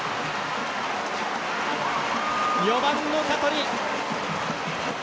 ４番の香取。